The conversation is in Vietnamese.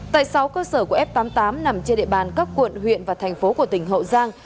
tại sáu cơ sở của f tám mươi tám nằm trên địa bàn các quận huyện và thành phố của tỉnh hậu giang